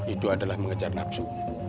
itu adalah mengejar nafsu